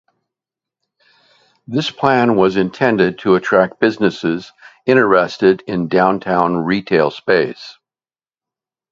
This plan was intended to attract businesses interested in downtown retail space.